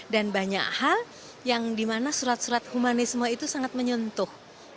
dan banyak hal yang dimana surat surat humanisme itu sangat menyentuh